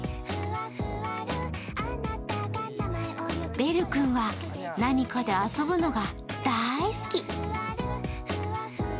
ベル君は何かで遊ぶのが大好き。